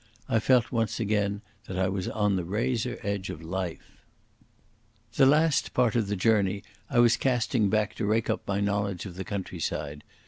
I felt once again that I was on the razor edge of life. The last part of the journey I was casting back to rake up my knowledge of the countryside.